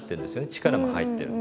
力も入ってる。